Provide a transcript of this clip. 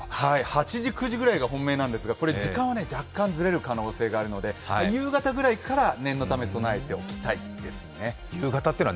８時、９時ぐらいが本命なんですが時間が若干ずれる可能性があるので夕方ぐらいから念のため備えておきたいですね